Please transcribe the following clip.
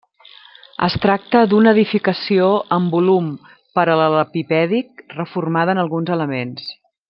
Es tracta d'una edificació amb volum paral·lelepipèdic reformada en alguns elements.